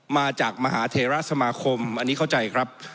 มาจากมหาเทราสมาคมอันนี้เข้าใจครับ